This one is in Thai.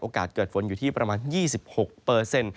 โอกาสเกิดฝนอยู่ที่ประมาณ๒๖